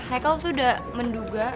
haikel tuh udah menduga